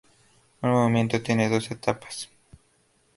Un movimiento tiene dos etapas.